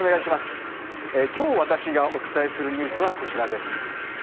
今日、私がお伝えするニュースはこちらです。